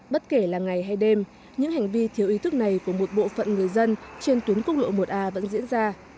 bất kể là ngày hay đêm những hành vi thiếu ý thức này của một bộ phận người dân trên tuyến quốc lộ một a vẫn diễn ra